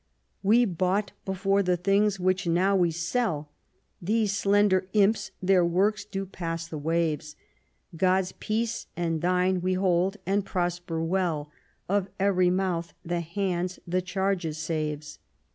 We bought before the things which now we sell ; These slender imps their works do pass the waves ; God's peace and thine we hold, and prosper well ; Of every mouth the hands the charges saves.